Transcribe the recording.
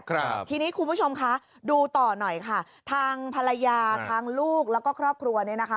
ครับทีนี้คุณผู้ชมคะดูต่อหน่อยค่ะทางภรรยาทางลูกแล้วก็ครอบครัวเนี่ยนะคะ